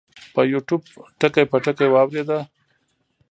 پۀ يو ټيوب ټکے پۀ ټکے واورېده -